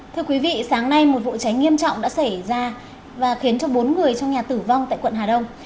thưa quý vị sáng nay một vụ cháy nghiêm trọng đã xảy ra và khiến cho bốn người trong nhà tử vong tại quận hà đông